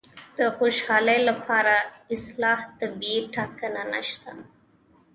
د خوشالي لپاره اصلاً طبیعي ټاکنه نشته.